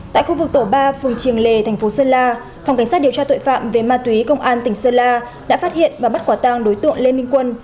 tại khu vực tổ ba phường triềng lề thành phố sơn la phòng cảnh sát điều tra tội phạm về ma túy công an tỉnh sơn la đã phát hiện và bắt quả tang đối tượng lê minh quân